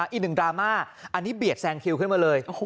ดราม่าอันนี้เบียดแซงคิวขึ้นมาเลย